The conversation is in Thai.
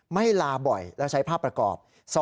ไม่ลาบ่อยและใช้ภาพประกอบ